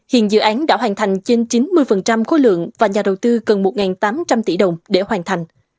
hiện dự án đã hoàn thành trên chín mươi khối lượng và nhà đầu tư cần một tám trăm linh tỷ đồng để hoàn thành